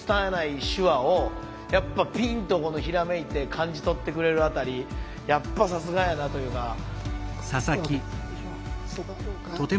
拙い手話をやっぱピンとひらめいて感じ取ってくれる辺りやっぱさすがやなというか。